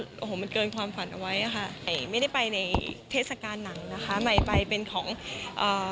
ตอนนี้คุยกันอยู่แค่ว่าตรงนี้เลยค่ะ